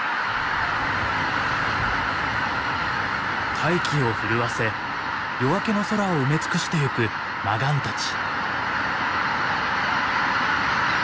大気を震わせ夜明けの空を埋め尽くしてゆくマガンたち。